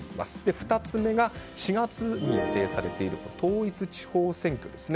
２つ目が、４月に予定されている統一地方選挙ですね。